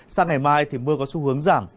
sang ngày mai thì mưa có xu hướng giảm